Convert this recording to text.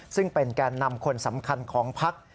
ซึ่งเป็นแก่นำคนสำคัญของพัก